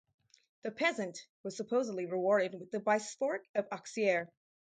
The peasant was supposedly rewarded with the bishopric of Auxerre.